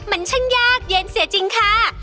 มันช่างยากเย็นเสียจริงค่ะ